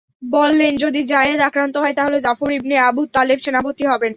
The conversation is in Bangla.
বললেন, যদি যায়েদ আক্রান্ত হয় তাহলে জাফর ইবনে আবু তালেব সেনাপতি হবে।